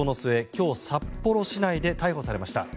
今日、札幌市内で逮捕されました。